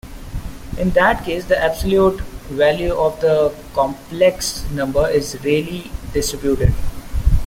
In that case, the absolute value of the complex number is Rayleigh-distributed.